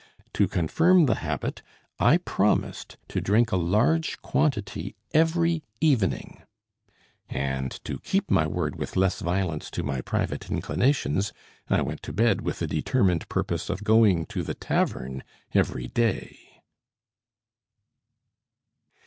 To confirm the habit, I promised to drink a large quantity every evening; and to keep my word with less violence to my private inclinations, I went to bed with a determined purpose of going to the tavern every day.